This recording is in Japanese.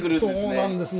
そうなんです。